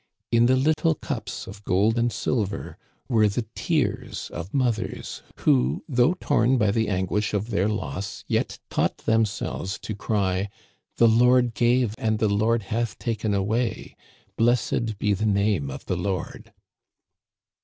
In the little cups of gold and silver were the tears of mothers who, though torn by the an guish of their loss yet taught themselves to cry : "The Lord gave and the Lord hath taken away ; blessed be the name of the Lord."